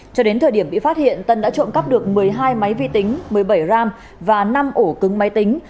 cho đến thời điểm bị phát hiện tân đã trộm cắp được một mươi hai máy vi tính một mươi bảy gram và năm ổ cứng máy tính